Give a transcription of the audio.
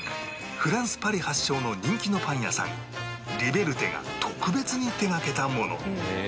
フランスパリ発祥の人気のパン屋さんリベルテが特別に手がけたもの